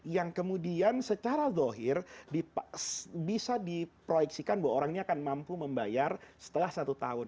yang kemudian secara dohir bisa diproyeksikan bahwa orang ini akan mampu membayar setelah satu tahun